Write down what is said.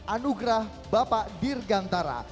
anugerah bapak dirgantara